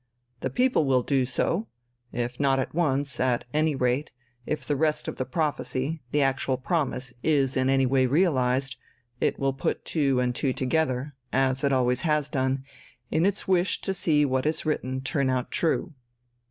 The people will do so; if not at once, at any rate if the rest of the prophecy, the actual promise, is in any way realised, it will put two and two together, as it always has done, in its wish to see what is written turn out true.